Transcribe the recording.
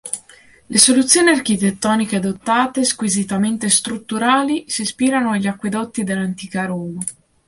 Le soluzioni architettoniche adottate, squisitamente strutturali, si ispirano agli acquedotti dell'antica Roma.